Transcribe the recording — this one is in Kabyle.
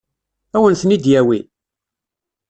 Ad wen-ten-id-yawi?